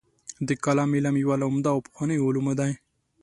د کلام علم یو له عمده او پخوانیو علومو دی.